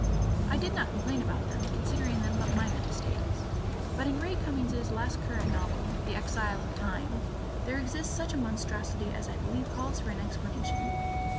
I did not complain about them, considering them but minor mistakes. But in Ray Cummings' latest current novel, "The Exile of Time," there exists such a monstrosity as I believe calls for an explanation.